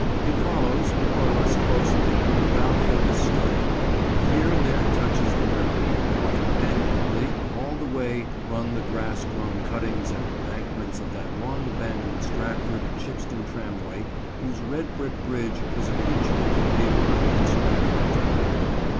It follows, more or less closely the valley of the Stour, and here and there touches the river; while companionably, all the way run the grass grown cuttings and embankments of that long abandoned Stratford and Shipston Tramway whose red brick bridge is a feature of the Avon at Stratford town.